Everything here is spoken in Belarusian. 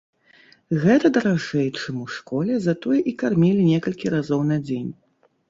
Гэта даражэй, чым у школе, затое і кармілі некалькі разоў на дзень.